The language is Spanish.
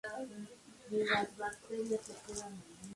Como subtítulo presentaba la leyenda "Revista Sociológica".